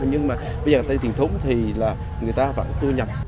nhưng mà bây giờ người ta điển thúng thì là người ta vẫn thu nhập